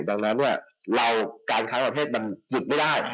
ดังนั้นเนี่ยเราการค้าประเภทมันหยุดไม่ได้